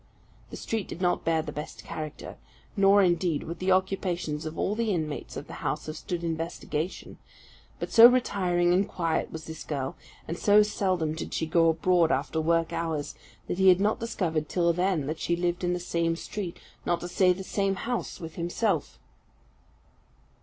The street did not bear the best character; nor, indeed, would the occupations of all the inmates of the house have stood investigation; but so retiring and quiet was this girl, and so seldom did she go abroad after work hours, that he had not discovered till then that she lived in the same street, not to say the same house with himself.